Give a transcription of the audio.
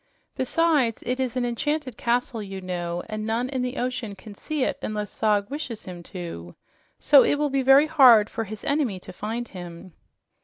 Besides, it is an enchanted castle, you know, and none in the ocean can see it unless Zog wishes him to. So it will be very hard for his enemy to find him."